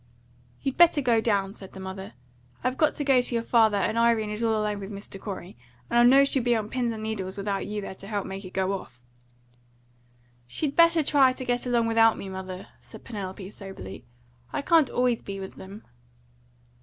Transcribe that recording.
"You better go down," said the mother. "I've got to go to your father, and Irene is all alone with Mr. Corey; and I know she'll be on pins and needles without you're there to help make it go off." "She'd better try to get along without me, mother," said Penelope soberly. "I can't always be with them."